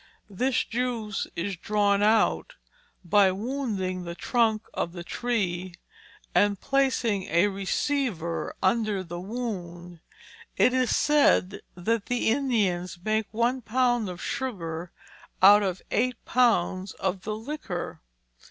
This Juice is drawn out, by wounding the Trunk of the Tree, and placing a Receiver under the Wound. It is said that the Indians make one Pound of Sugar out of eight Pounds of the Liquor.